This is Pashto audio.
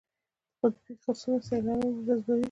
قطبي خرسونه سیلانیان ورجذبوي.